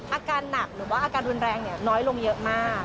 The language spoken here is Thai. อาการหนักหรือว่าอาการรุนแรงน้อยลงเยอะมาก